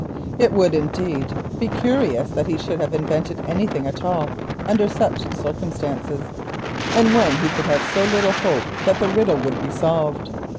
It would, indeed, be curious that he should have invented anything at all under such circumstances, and when he could have so little hope that the riddle would be solved.